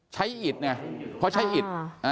ใช้อิตนะพอใช้อิต